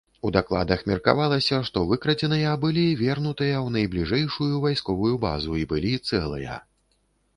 У дакладах меркавалася, што выкрадзеныя былі вернутыя ў найбліжэйшую вайсковую базу і былі цэлыя.